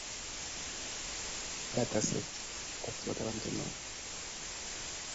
She was part of heat one of the qualifying round.